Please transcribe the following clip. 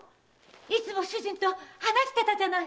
いつも主人と話してたじゃない。